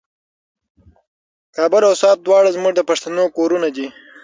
کابل او سوات دواړه زموږ د پښتنو کورونه دي.